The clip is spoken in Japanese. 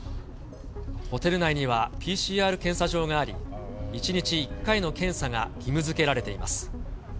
ホテル内にはＰＣＲ検査場があり、１日１回の検査が義務づけられています。